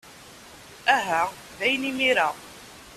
Aha, dayen imir-a.